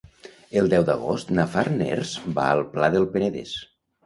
El deu d'agost na Farners va al Pla del Penedès.